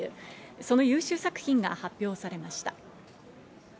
その優秀作品が発表されました。